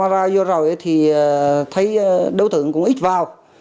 rồi rồi thì thấy đối tượng cũng ít vào